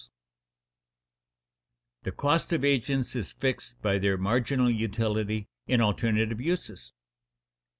[Sidenote: The cost of agents is fixed by their marginal utility in alternative uses] 2.